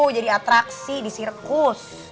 jadi atraksi di sirkus